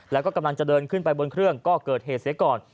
แล้วก็กำลังจะเดินขึ้นไปบนเครื่องก็เกิดเหตุเสียก่อน